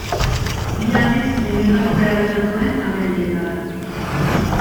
Bi aldiz emigratu behar izan zuen Ameriketara.